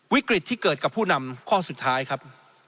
วิกฤตที่เกิดกับผู้นำข้อสุดท้ายครับ